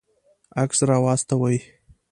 عکس راواستوئ